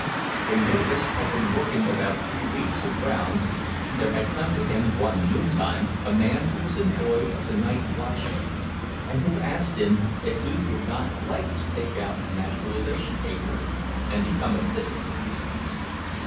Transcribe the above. When Jurgis had been working about three weeks at Brown's, there had come to him one noontime a man who was employed as a night watchman, and who asked him if he would not like to take out naturalization papers and become a citizen.